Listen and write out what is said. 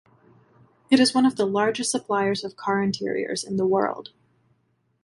It is one of the largest suppliers of car interiors in the world.